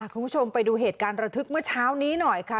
คุณผู้ชมไปดูเหตุการณ์ระทึกเมื่อเช้านี้หน่อยค่ะ